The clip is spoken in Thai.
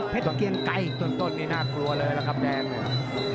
เพชรเกียงไก่ต้นนี่น่ากลัวเลยนะครับแดง